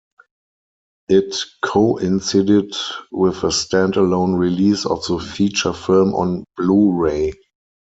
It coincided with a standalone release of the feature film on Blu-ray.